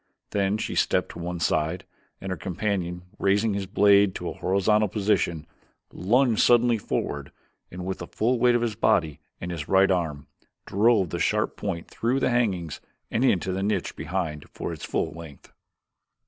Then she stepped to one side, and her companion, raising his blade to a horizontal position, lunged suddenly forward and with the full weight of his body and his right arm, drove the sharp point through the hangings and into the niche behind for its full length.